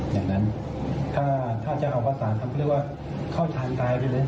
อย่างนั้นถ้าจะเอาภาษาเขาเรียกว่าเข้าทางกายไปเลย